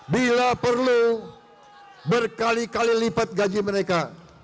bila perlu berkali kali lipat gaji mereka